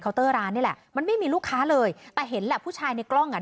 เตอร์ร้านนี่แหละมันไม่มีลูกค้าเลยแต่เห็นแหละผู้ชายในกล้องอ่ะ